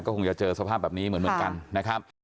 คงจะเจอสภาพแบบนี้เหมือนกันนะครับ